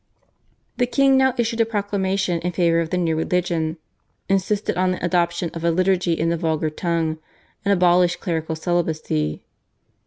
The king now issued a proclamation in favour of the new religion, insisted on the adoption of a liturgy in the vulgar tongue, and abolished clerical celibacy.